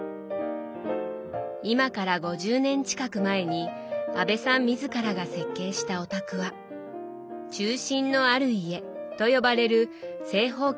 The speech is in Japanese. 今から５０年近く前に阿部さん自らが設計したお宅は「中心のある家」と呼ばれる正方形の二重構造。